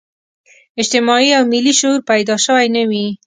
اجتماعي او ملي شعور پیدا شوی نه وي.